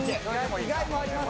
意外もあります。